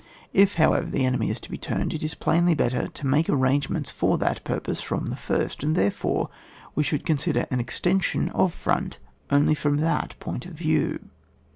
If, however, the enemy is to be turned, it is plainly better to make ar rangements for that purpose fr^m the first, and therefore we should consider an exten sion ol front only from that point of view.